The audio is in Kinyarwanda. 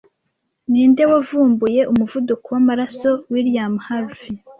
Ninde wavumbuye umuvuduko w'amaraso William Harvey